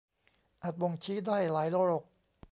อาจบ่งชี้ได้หลายโรค